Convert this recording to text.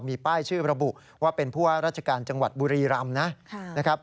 มีป้ายชื่อระบุว่าเป็นผู้ว่าราชการจังหวัดบุรีรำนะครับ